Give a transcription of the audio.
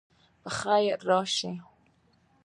په خیر راسئ.